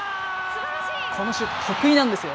このシュート得意なんですよ。